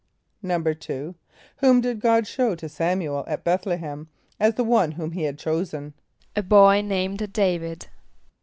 = =2.= Whom did God show to S[)a]m´u el at B[)e]th´=l[)e] h[)e]m, as the one whom he had chosen? =A boy named D[=a]´vid.